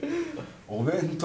お弁当。